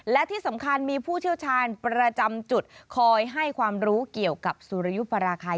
และที่สำคัญมีผู้เชี่ยวชาญประจำจุดคอยให้ความรู้เกี่ยวกับสุริยุปราคาย